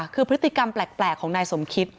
คือพฤติกรรมแปลกของนายสมคิต